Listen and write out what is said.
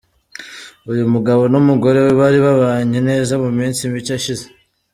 Uyu mugabo n'umugore we bari babanye neza mu minsi mike ishize.